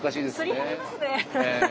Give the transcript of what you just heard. すり減りますね。